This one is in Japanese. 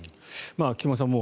菊間さん